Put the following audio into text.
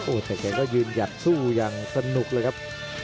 แต่แกก็ยืนหยัดสู้อย่างสนุกเลยครับ